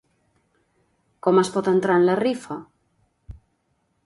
Com es pot entrar en la rifa?